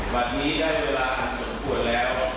วันนี้ได้เวลาสมควรแล้ว